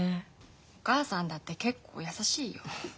お母さんだって結構優しいよ。